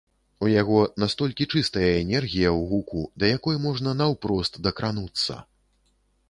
У яго настолькі чыстая энергія ў гуку, да якой можна наўпрост дакрануцца!